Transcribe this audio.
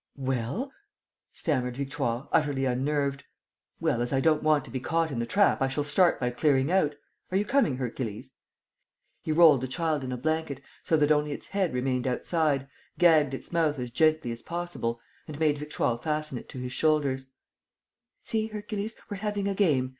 "Well...?" stammered Victoire, utterly unnerved. "Well, as I don't want to be caught in the trap, I shall start by clearing out. Are you coming, Hercules?" He rolled the child in a blanket, so that only its head remained outside, gagged its mouth as gently as possible and made Victoire fasten it to his shoulders: "See, Hercules? We're having a game.